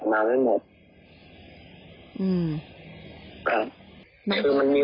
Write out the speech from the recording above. ผมไม่ฆือไปก็ช่วยไงพี่